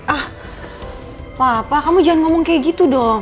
ah papa kamu jangan ngomong kayak gitu dong